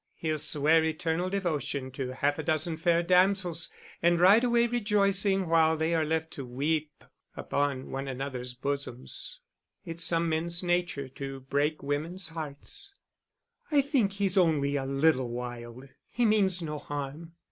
He'll swear eternal devotion to half a dozen fair damsels, and ride away rejoicing, while they are left to weep upon one another's bosoms. It's some men's nature to break women's hearts." "I think he's only a little wild: he means no harm."